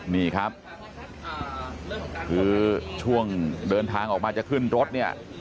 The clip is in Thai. นี่ครับคือช่วงเดินทางออกมาจะขึ้นรถเนี่ย